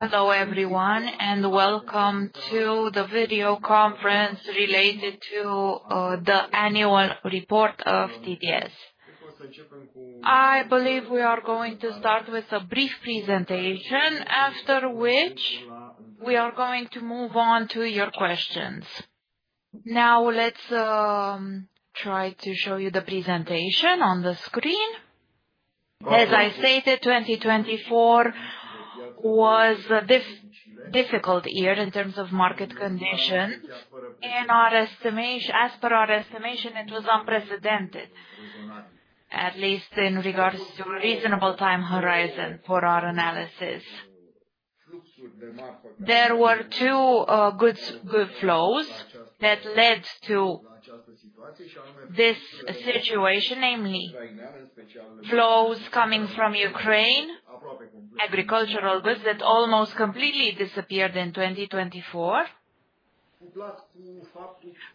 Hello everyone, and welcome to the Video Conference Related to the Annual Report of TTS. I believe we are going to start with a brief presentation, after which we are going to move on to your questions. Now let's try to show you the presentation on the screen. As I stated, 2024 was a difficult year in terms of market conditions. As per our estimation, it was unprecedented, at least in regards to a reasonable time horizon for our analysis. There were two good flows that led to this situation, namely flows coming from Ukraine, agricultural goods that almost completely disappeared in 2024,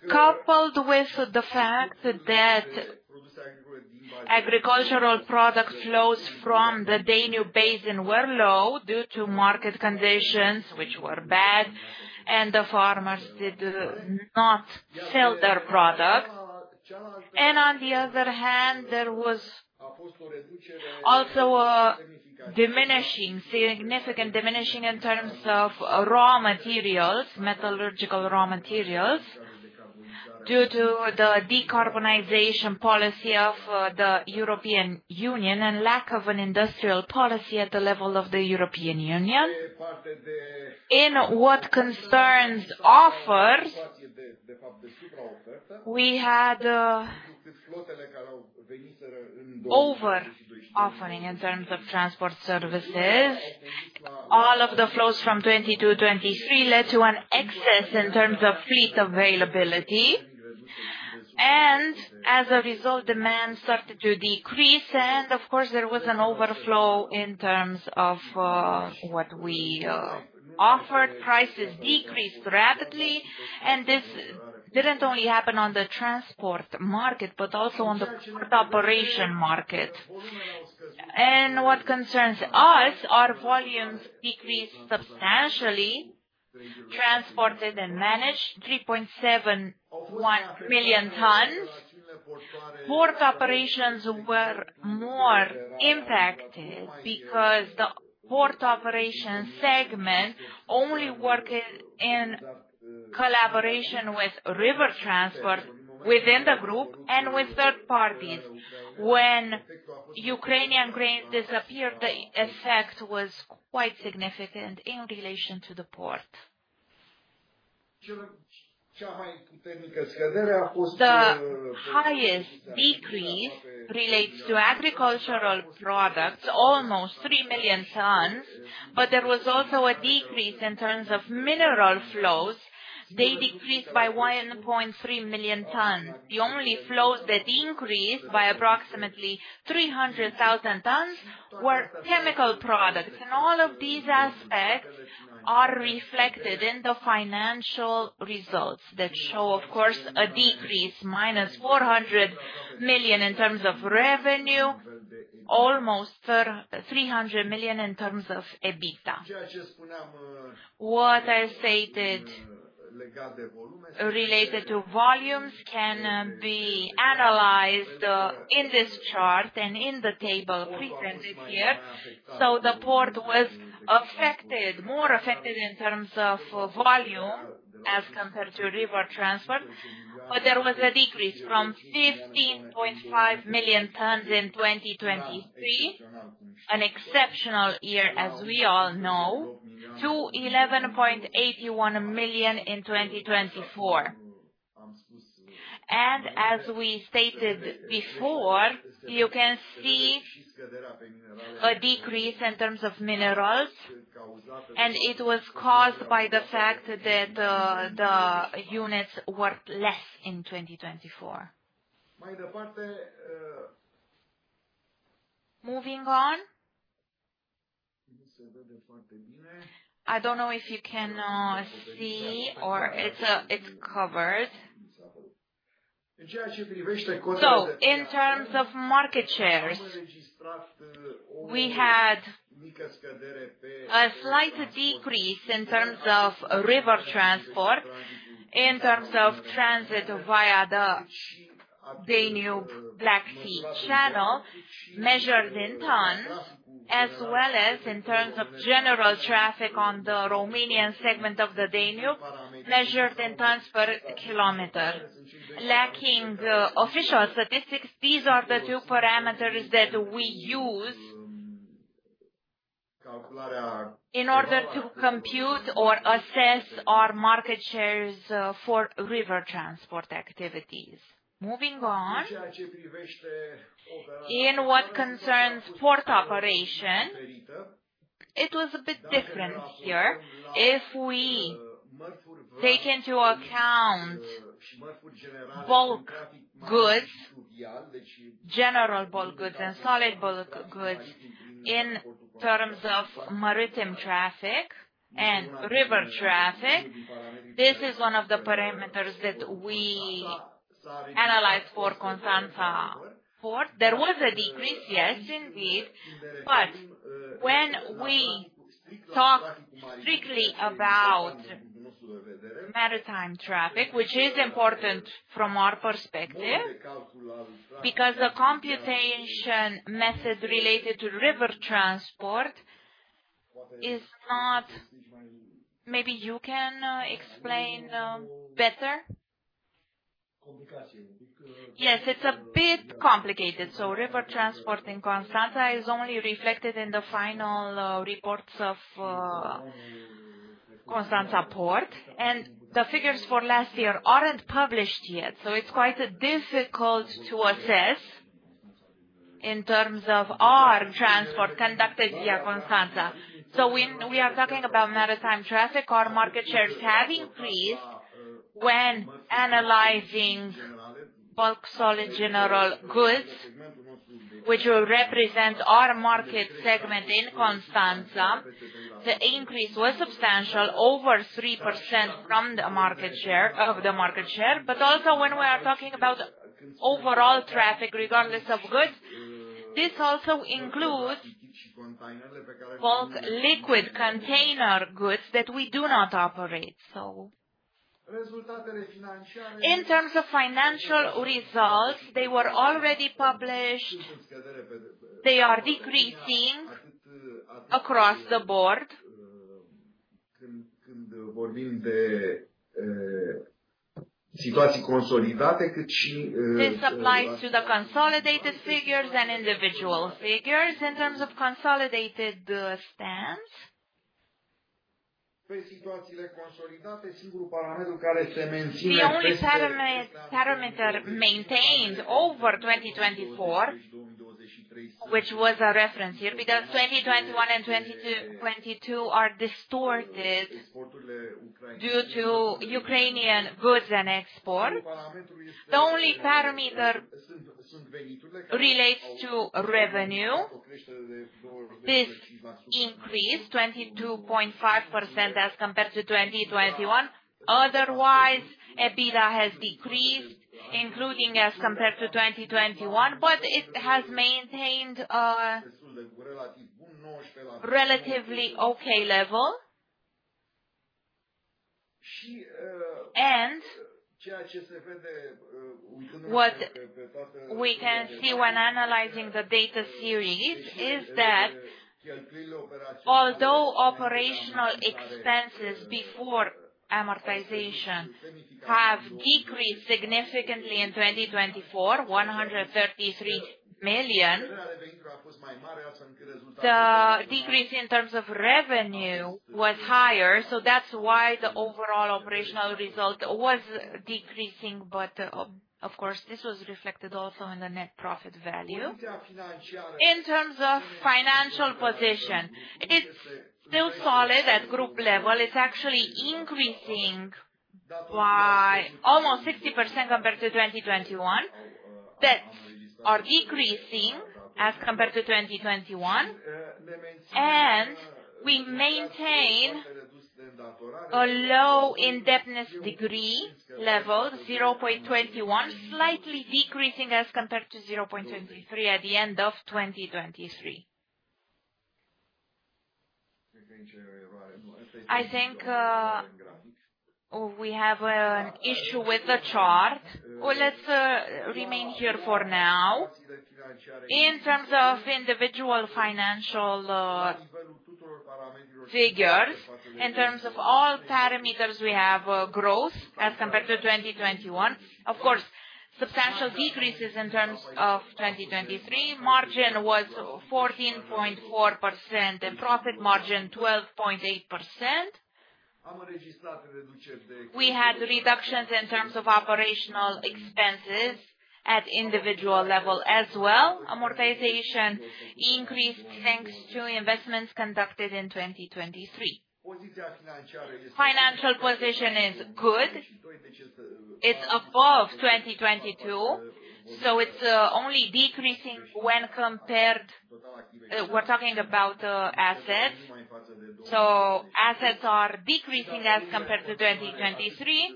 coupled with the fact that agricultural product flows from the Danube basin were low due to market conditions which were bad, and the farmers did not sell their products. There was also significant diminishing in terms of metallurgical raw materials due to the decarbonization policy of the European Union and lack of an industrial policy at the level of the European Union. In what concerns offers, we had over-offering in terms of transport services. All of the flows from 2022 to 2023 led to an excess in terms of fleet availability, and as a result, demand started to decrease. Of course, there was an overflow in terms of what we offered. Prices decreased rapidly, and this did not only happen on the transport market but also on the port operation market. What concerns us, our volumes decreased substantially. Transported and managed 3.71 million tons. Port operations were more impacted because the port operation segment only worked in collaboration with river transport within the group and with third parties. When Ukrainian grain disappeared, the effect was quite significant in relation to the port. The highest decrease relates to agricultural products, almost three million tons, but there was also a decrease in terms of mineral flows. They decreased by 1.3 million tons. The only flows that increased by approximately 300,000 tons were chemical products. All of these aspects are reflected in the financial results that show, of course, a decrease, minus 400 million in terms of revenue, almost 300 million in terms of EBITDA. What I stated related to volumes can be analyzed in this chart and in the table presented here. The port was affected, more affected in terms of volume as compared to river transport, but there was a decrease from 15.5 million tons in 2023, an exceptional year as we all know, to 11.81 million in 2024. As we stated before, you can see a decrease in terms of minerals, and it was caused by the fact that the units were less in 2024. Moving on, I do not know if you can see or it is covered. In terms of market shares, we had a slight decrease in terms of river transport, in terms of transit via the Danube Black Sea Channel, measured in tons, as well as in terms of general traffic on the Romanian segment of the Danube, measured in tons per kilometer. Lacking official statistics, these are the two parameters that we use in order to compute or assess our market shares for river transport activities. Moving on, in what concerns port operation, it was a bit different here. If we take into account bulk goods, general bulk goods, and solid bulk goods in terms of maritime traffic and river traffic, this is one of the parameters that we analyzed for Constanța port. There was a decrease, yes, indeed, but when we talk strictly about maritime traffic, which is important from our perspective, because the computation method related to river transport is not—maybe you can explain better? Yes, it's a bit complicated. River transport in Constanța is only reflected in the final reports of Constanța port, and the figures for last year are not published yet, so it is quite difficult to assess in terms of our transport conducted via Constanța. When we are talking about maritime traffic, our market shares have increased when analyzing bulk solid general goods, which will represent our market segment in Constanța. The increase was substantial, over 3% from the market share of the market share. Also, when we are talking about overall traffic, regardless of goods, this also includes bulk liquid container goods that we do not operate. In terms of financial results, they were already published. They are decreasing across the board, cât și the consolidated figures and individual figures in terms of consolidated stance. The only parameter maintained over 2024, which was a reference here, because 2021 and 2022 are distorted due to Ukrainian goods and export, the only parameter relates to revenue. This increased, 22.5% as compared to 2021. Otherwise, EBITDA has decreased, including as compared to 2021, but it has maintained a relatively okay level. We can see when analyzing the data series is that although operational expenses before amortization have decreased significantly in 2024, EUR 133 million, the decrease in terms of revenue was higher. That is why the overall operational result was decreasing. Of course, this was reflected also in the net profit value. In terms of financial position, it is still solid at group level. It is actually increasing by almost 60% compared to 2021. Debts are decreasing as compared to 2021, and we maintain a low indebtedness degree level, 0.21, slightly decreasing as compared to 0.23 at the end of 2023. I think we have an issue with the chart. Let's remain here for now. In terms of individual financial figures, in terms of all parameters, we have growth as compared to 2021. Of course, substantial decreases in terms of 2023. Margin was 14.4% and profit margin 12.8%. We had reductions in terms of operational expenses at individual level as well. Amortization increased thanks to investments conducted in 2023. Financial position is good. It's above 2022, so it's only decreasing when compared—we're talking about assets. So assets are decreasing as compared to 2023.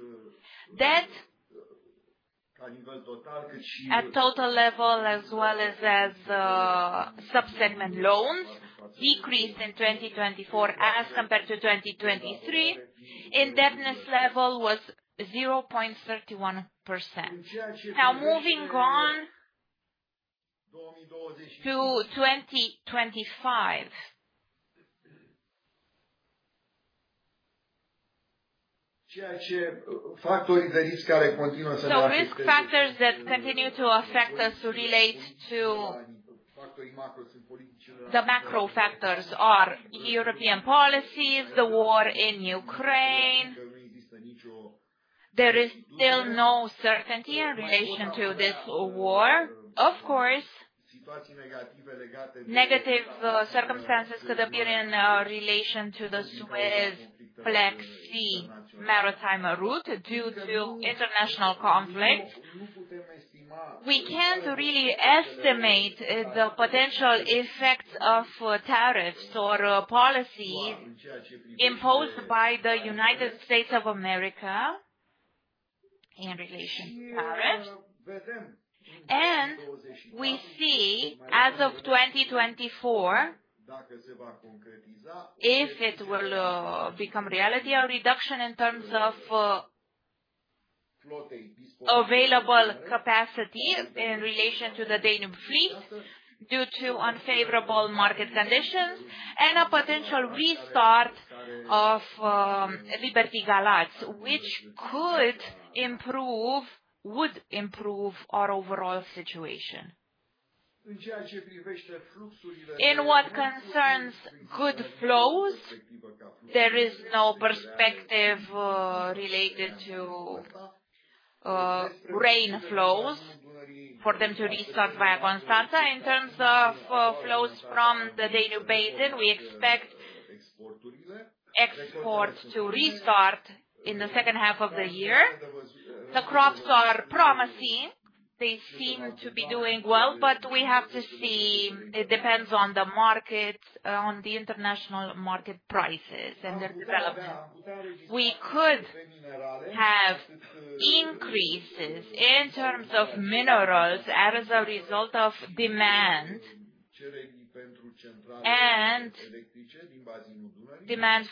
Debts at total level as well as subsegment loans decreased in 2024 as compared to 2023. Indebtedness level was 0.31%. Now moving on to 2025. Risk factors that continue to affect us relate to the macro factors are European policies, the war in Ukraine. There is still no certainty in relation to this war. Of course, negative circumstances could appear in relation to the Suez Black Sea maritime route due to international conflict. We can't really estimate the potential effects of tariffs or policies imposed by the United States of America in relation to tariffs. We see, as of 2024, if it will become reality, a reduction in terms of available capacity in relation to the Danube fleet due to unfavorable market conditions and a potential restart of Liberty Galaxy, which could improve, would improve our overall situation. In what concerns good flows, there is no perspective related to grain flows for them to restart via Constanța. In terms of flows from the Danube basin, we expect exports to restart in the second half of the year. The crops are promising. They seem to be doing well, but we have to see—it depends on the market, on the international market prices and their development. We could have increases in terms of minerals as a result of demand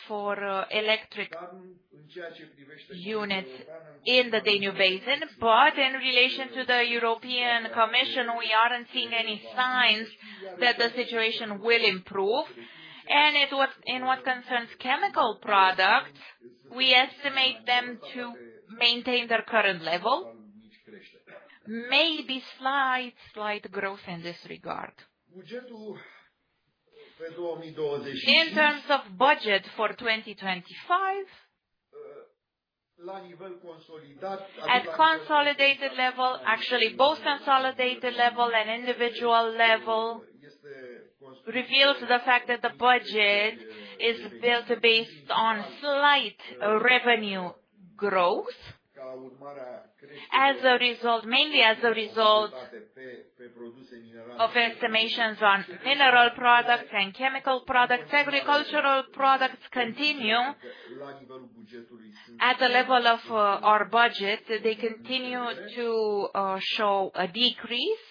for electric units in the Danube basin. In relation to the European commission, we are not seeing any signs that the situation will improve. In what concerns chemical products, we estimate them to maintain their current level, maybe slight, slight growth in this regard. In terms of budget for 2025, at consolidated level, actually both consolidated level and individual level reveals the fact that the budget is built based on slight revenue growth as a result, mainly as a result of estimations on mineral products and chemical products. Agricultural products continue at the level of our budget; they continue to show a decrease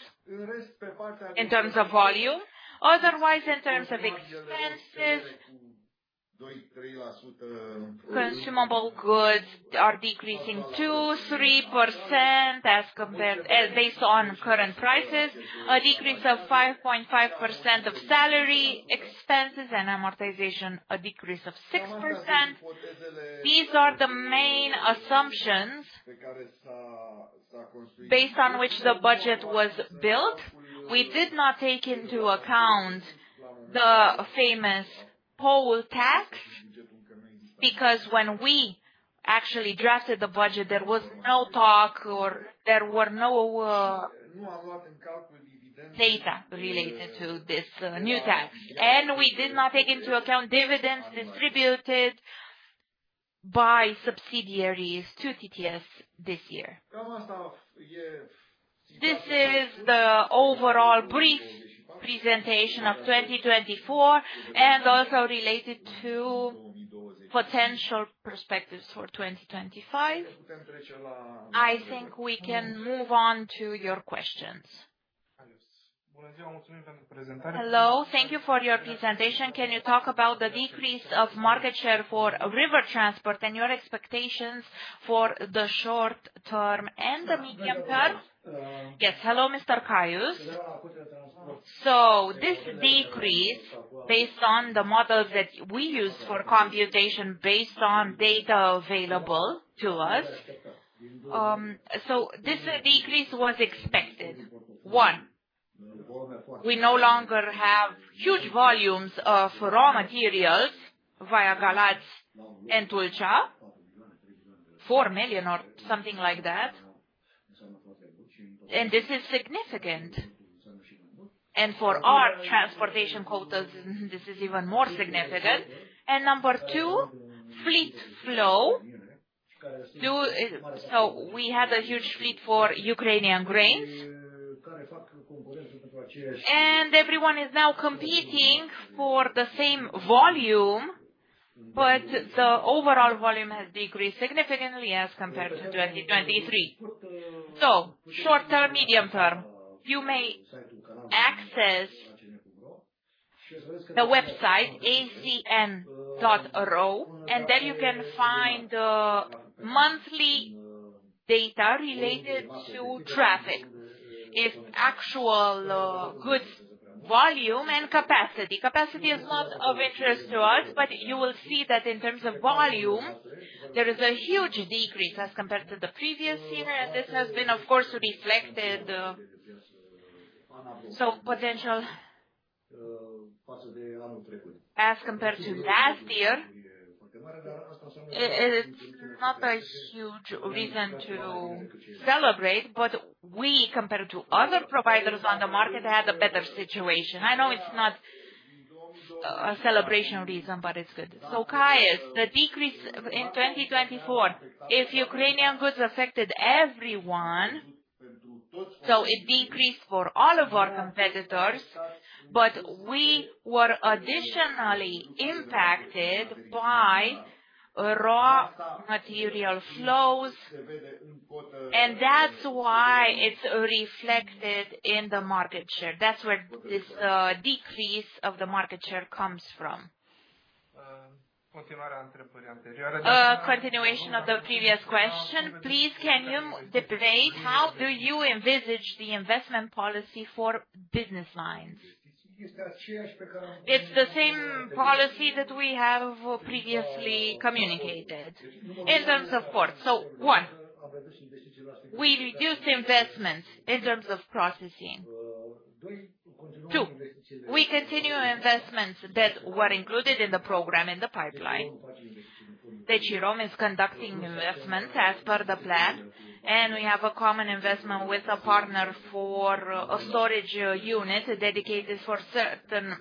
in terms of volume. Otherwise, in terms of expenses, consumable goods are decreasing 2%-3% as compared based on current prices, a decrease of 5.5% of salary expenses, and amortization, a decrease of 6%. These are the main assumptions based on which the budget was built. We did not take into account the famous poll tax because when we actually drafted the budget, there was no talk or there were no data related to this new tax. We did not take into account dividends distributed by subsidiaries to TTS this year. This is the overall brief presentation of 2024 and also related to potential perspectives for 2025. I think we can move on to your questions. Hello. Thank you for your presentation. Can you talk about the decrease of market share for river transport and your expectations for the short term and the medium term? Yes. Hello, Mr. Caius. This decrease, based on the models that we use for computation, based on data available to us, this decrease was expected. One, we no longer have huge volumes of raw materials via Galaxy and Tulcea, four million or something like that. This is significant. For our transportation quotas, this is even more significant. Number two, fleet flow. We had a huge fleet for Ukrainian grains, and everyone is now competing for the same volume, but the overall volume has decreased significantly as compared to 2023. Short term, medium term, you may access the website, acn.ro, and there you can find monthly data related to traffic, actual goods volume, and capacity. Capacity is not of interest to us, but you will see that in terms of volume, there is a huge decrease as compared to the previous year, and this has been, of course, reflected as compared to last year. It is not a huge reason to celebrate, but we, compared to other providers on the market, had a better situation. I know it is not a celebration reason, but it is good. Caius, the decrease in 2024, if Ukrainian goods affected everyone, it decreased for all of our competitors, but we were additionally impacted by raw material flows, and that's why it's reflected in the market share. That's where this decrease of the market share comes from. Continuation of the previous question, please, can you debate how do you envisage the investment policy for business lines? It's the same policy that we have previously communicated in terms of ports. One, we reduced investments in terms of processing. Two, we continue investments that were included in the program in the pipeline. CIROM is conducting investments as per the plan, and we have a common investment with a partner for a storage unit dedicated for certain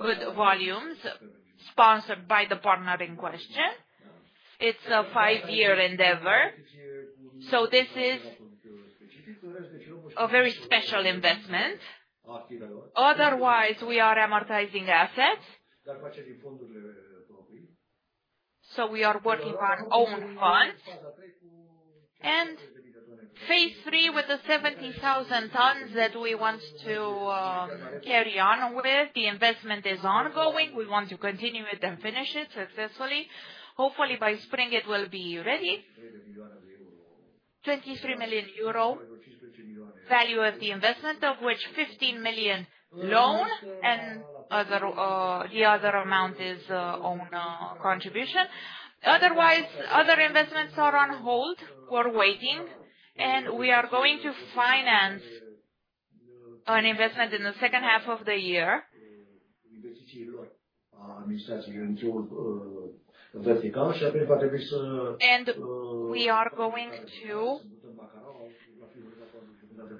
good volumes sponsored by the partner in question. It's a five-year endeavor, so this is a very special investment. Otherwise, we are amortizing assets. We are working on our own funds. Phase III with the 70,000 tons that we want to carry on with, the investment is ongoing. We want to continue it and finish it successfully. Hopefully, by spring, it will be ready. 23 million euro value of the investment, of which 15 million loan, and the other amount is own contribution. Otherwise, other investments are on hold. We are waiting, and we are going to finance an investment in the second half of the year. We are going to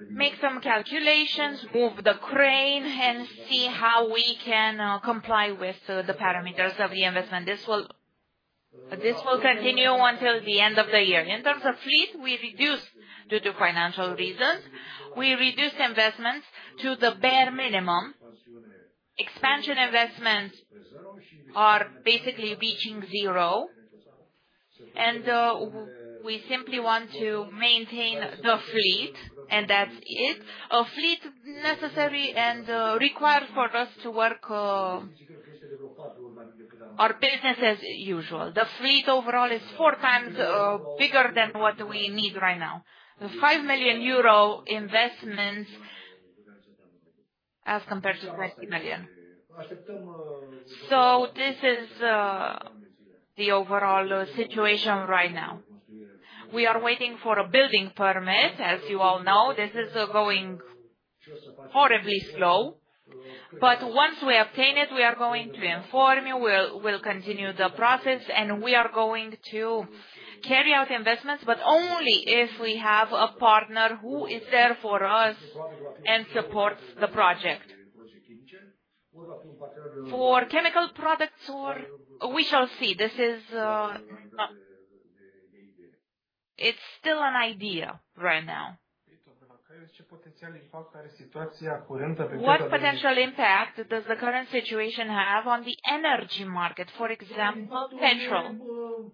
make some calculations, move the crane, and see how we can comply with the parameters of the investment. This will continue until the end of the year. In terms of fleet, we reduced due to financial reasons. We reduced investments to the bare minimum. Expansion investments are basically reaching zero, and we simply want to maintain the fleet, and that's it. A fleet necessary and required for us to work our business as usual. The fleet overall is four times bigger than what we need right now. The five million euro investments as compared to 20 million. This is the overall situation right now. We are waiting for a building permit, as you all know. This is going horribly slow. Once we obtain it, we are going to inform you. We will continue the process, and we are going to carry out investments, but only if we have a partner who is there for us and supports the project. For chemical products, we shall see. It is still an idea right now. What potential impact does the current situation have on the energy market, for example, petrol?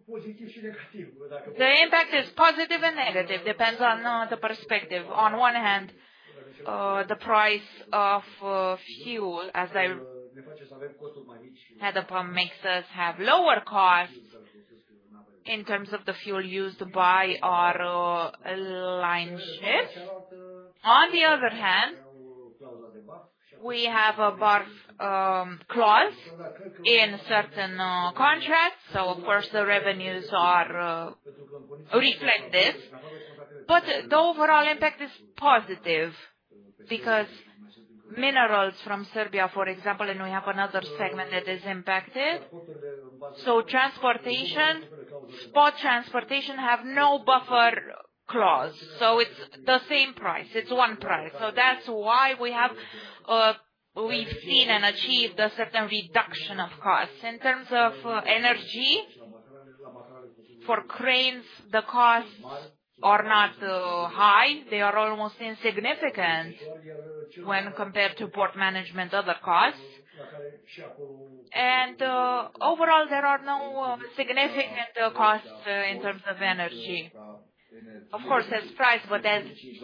The impact is positive and negative. It depends on the perspective. On one hand, the price of fuel, as I had a problem, makes us have lower costs in terms of the fuel used by our line ships. On the other hand, we have a bar clause in certain contracts. Of course, the revenues are reflect this, but the overall impact is positive because minerals from Serbia, for example, and we have another segment that is impacted. Transportation, transportation have no buffer clause. It is the same price. It is one price. That is why we have seen and achieved a certain reduction of costs. In terms of energy for cranes, the costs are not high. They are almost insignificant when compared to port management, other costs. Overall, there are no significant costs in terms of energy. Of course, there is price, but energy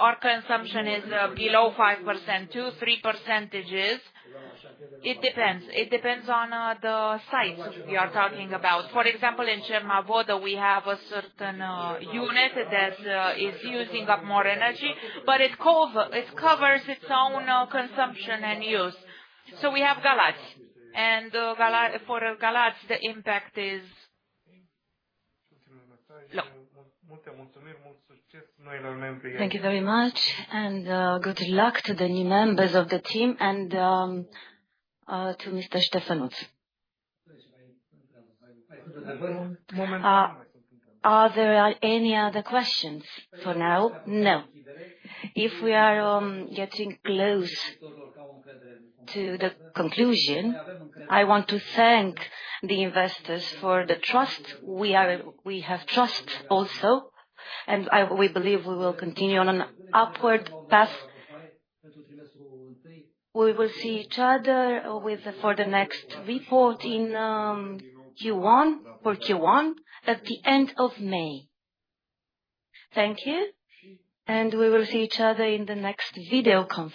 or consumption is below 5%, 2-3%. It depends. It depends on the size we are talking about. For example, in Cernavodă, we have a certain unit that is using up more energy, but it covers its own consumption and use. So we have Galaxy. And for Galaxy, the impact is. Multe mulțumiri, mult succes noilor membri. Thank you very much, and good luck to the new members of the team and to Mr. Ștefănuț. Are there any other questions for now? No. If we are getting close to the conclusion, I want to thank the investors for the trust. We have trust also, and we believe we will continue on an upward path. We will see each other for the next report in Q1, at the end of May. Thank you, and we will see each other in the next video conference.